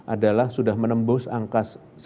adalah sudah menembus angka